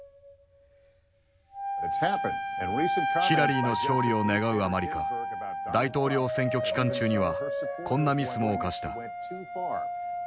ヒラリーの勝利を願うあまりか大統領選挙期間中にはこんなミスも犯した。